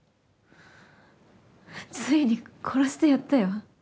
ついに殺してやったよ